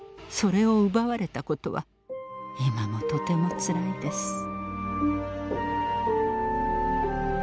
それを奪われたことは今もとてもつらいです。